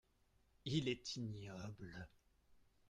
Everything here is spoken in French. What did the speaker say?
Il est ignoble.